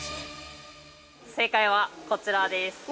◆正解は、こちらです。